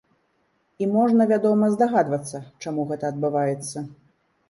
І можна, вядома, здагадвацца, чаму гэта адбываецца.